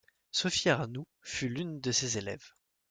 Sophie Arnould fut une de ses élèves.